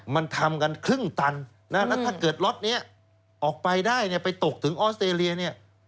มันทำกันครึ่งตันและถ้าเกิดล็อตนี้ออกไปได้ไปตกถึงออสเตรเลีย